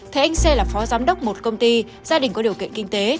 thấy anh xê là phó giám đốc một công ty gia đình có điều kiện kinh tế